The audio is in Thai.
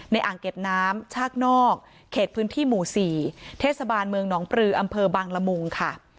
อ่างเก็บน้ำชากนอกเขตพื้นที่หมู่๔เทศบาลเมืองหนองปลืออำเภอบังละมุงค่ะ